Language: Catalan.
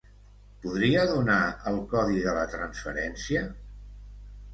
Podria donar el codi de la transferència?